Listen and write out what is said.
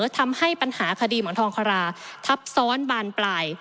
ทำให้ปัญหาคดีหมอนทองคาราทับซ้อนบานปลาย